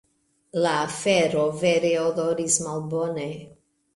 La afero vere odoris malbone.